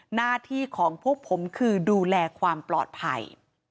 หน้าที่ของพวกผมคือดูแลความปลอดภัย